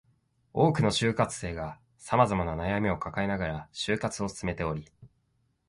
多くの就活生が様々な悩みを抱えながら就活を進めており